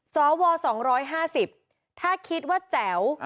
สว๒๕๐ถ้าคิดว่าแจ๋ว